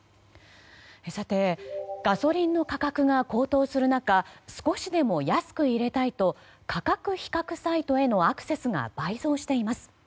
ガソリンの価格が高騰する中少しでも安く入れたいと価格比較サイトへのアクセスが倍増しています。